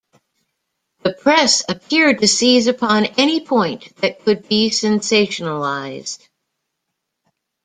The press appeared to seize upon any point that could be sensationalised.